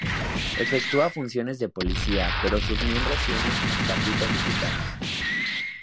Efectúa funciones de policía pero sus miembros tienen estatuto militar.